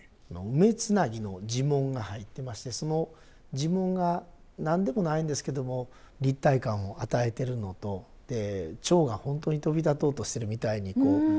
梅繋の地紋が入ってましてその地紋が何でもないんですけども立体感を与えてるのと蝶が本当に飛び立とうとしてるみたいにこう見える。